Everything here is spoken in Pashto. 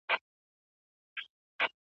که خلګ مرسته وکړي، ټولنه قوي کېږي.